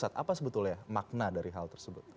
apa sebetulnya makna dari hal tersebut